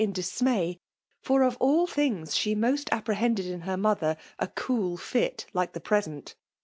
in dismay ; for, of all things, she most apprehended in her mother a oool fit like the present.